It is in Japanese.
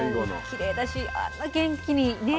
きれいだしあんな元気にね